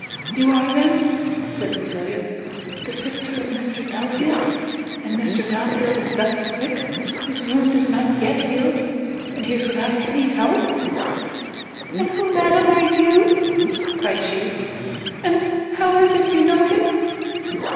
"You are then," said Cecilia, "the sister of Mr Belfield? And Mr Belfield is thus sick, his wound is not yet healed, and he is without any help!" "And who, madam, are you?" cried she, "and how is it you know him?"